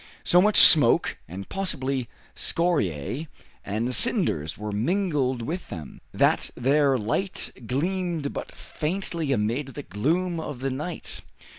So much smoke, and possibly scoriae and cinders were mingled with them, that their light gleamed but faintly amid the gloom of the night.